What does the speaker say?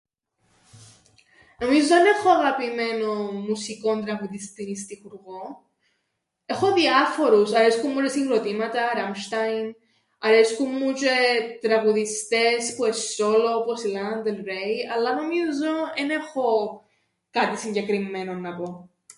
Νομίζω εν έχω αγαπημένον μουσικόν, τραγουδιστήν ή στιχουργόν, έχω διάφορους αρέσκουν μου τžαι συγκροτήματα Rammstein, αρέσκουν μου τžαι τραγουδιστές που εν' σόλον όπως η Lana del Rey, αλλά νομίζω εν έχω κάτι συγκεκριμμένον να πω.